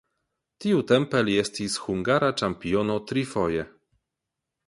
Tiutempe li estis hungara ĉampiono trifoje.